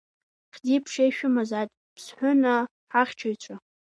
Хьӡи-ԥшеи шәымазааит Ԥсҳәынаа ҳахьчаҩцәа.